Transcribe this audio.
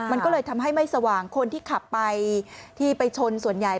มันก็เลยทำให้ไม่สว่างคนที่ขับไปที่ไปชนส่วนใหญ่